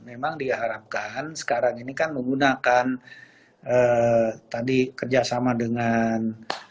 memang diharapkan sekarang ini kan menggunakan tadi kerjasama dengan